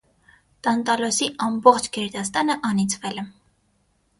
Տանտալոսի ամբողջ գերդաստանը անիծվել է։